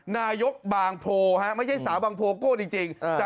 นายกบางโพฮะไม่ใช่สาวบางโพโป้ดดี่จริงใช่